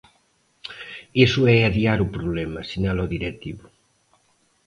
Iso é adiar o problema, sinala o directivo.